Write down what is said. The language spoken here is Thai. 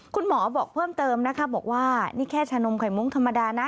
บอกเพิ่มเติมนะคะบอกว่านี่แค่ชานมไข่มุ้งธรรมดานะ